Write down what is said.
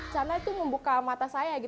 karena itu membuka mata saya